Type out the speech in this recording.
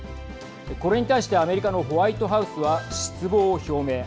これに対してアメリカのホワイトハウスは失望を表明。